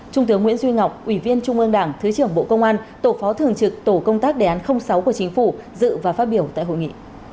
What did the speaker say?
trung tướng nguyễn duy ngọc ủy viên trung ương đảng thứ trưởng bộ công an tổ phó thường trực tổ công tác đề án sáu của chính phủ dự và phát biểu tại hội nghị